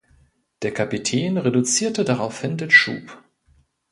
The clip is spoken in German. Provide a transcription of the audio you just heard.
Der Kapitän reduzierte daraufhin den Schub.